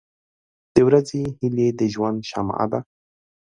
• د ورځې هیلې د ژوند شمع ده.